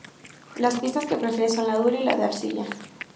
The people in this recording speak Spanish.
Las pistas que prefiere son la dura y la de arcilla.